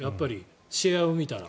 試合を見たら。